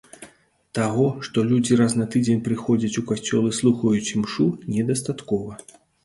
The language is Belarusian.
Таго, што людзі раз на тыдзень прыходзяць у касцёл і слухаюць імшу, недастаткова.